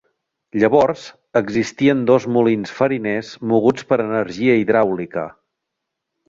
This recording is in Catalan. Llavors, existien dos molins fariners moguts per energia hidràulica.